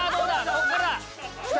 ここからだ。